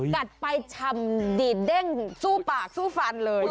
กัดไปชำดีดเด้งสู้ปากสู้ฟันเลย